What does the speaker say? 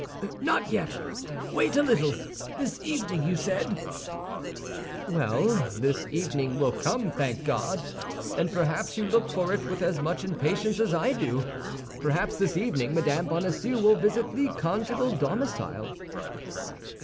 "Not yet; wait a little! This evening, you said." "Well, this evening will come, thank God! And perhaps you look for it with as much impatience as I do; perhaps this evening Madame Bonacieux will visit the conjugal domicile."